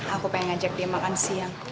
aku pengen ngajak dia makan siang